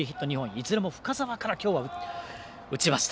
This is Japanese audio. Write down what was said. いずれも深沢から今日は打ちました。